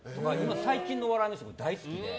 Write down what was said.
最近のお笑いの人大好きで。